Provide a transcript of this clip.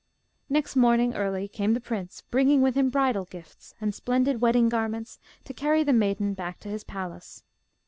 Next morning early came the prince, bringing with him bridal gifts, and splendid wedding garments, to carry the maiden back to his palace.